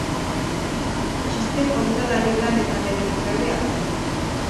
Txiste kontalari lanetan ere trebea zen.